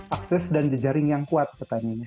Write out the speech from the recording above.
akses dan jejaring yang kuat petani